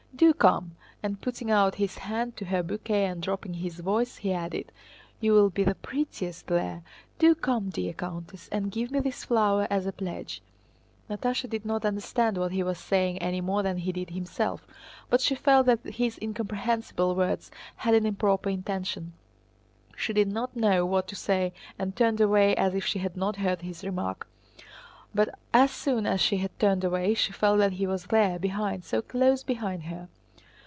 Do come!" and putting out his hand to her bouquet and dropping his voice, he added, "You will be the prettiest there. Do come, dear countess, and give me this flower as a pledge!" * Are the pretty women. Natásha did not understand what he was saying any more than he did himself, but she felt that his incomprehensible words had an improper intention. She did not know what to say and turned away as if she had not heard his remark. But as soon as she had turned away she felt that he was there, behind, so close behind her.